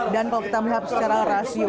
dan kalau kita melihat secara rasio